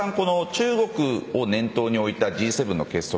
中国を念頭に置いたＧ７の結束